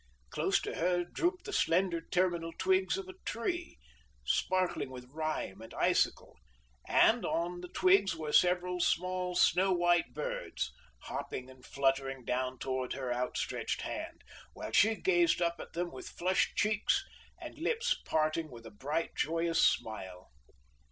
Close to her drooped the slender terminal twigs of a tree, sparkling with rime and icicle, and on the twigs were several small snow white birds, hopping and fluttering down towards her outstretched hand; while she gazed up at them with flushed cheeks, and lips parting with a bright, joyous smile.